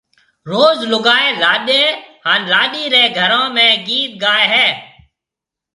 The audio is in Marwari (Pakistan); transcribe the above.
روز لوگائيَ لاڏَي ھان لاڏِي رَي گھرون ۾ گيت گائيَ ھيََََ